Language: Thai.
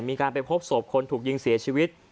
มีการไปพบศพคนถูกยิงเสียชีวิต